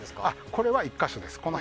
これは、１か所です。